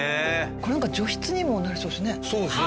これ除湿にもなりそうですね。